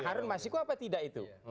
harun masiku apa tidak itu